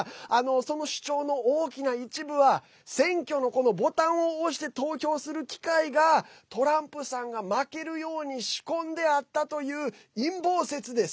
その主張の大きな一部は選挙のボタンを押して投票する機械がトランプさんが負けるように仕込んであったという陰謀説です。